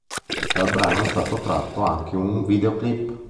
Dal brano è stato tratto anche un videoclip.